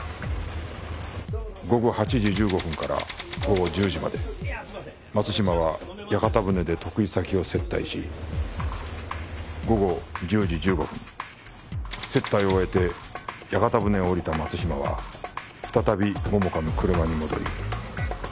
午後８時１５分から午後１０時まで松島は屋形船で得意先を接待し午後１０時１５分接待を終えて屋形船を降りた松島は再び桃花の車に戻り。